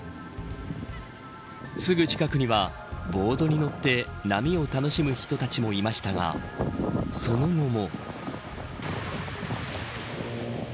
すぐ近くには、ボードに乗って波を楽しむ人たちもいましたがその後も。